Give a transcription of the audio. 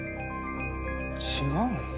違うんだ。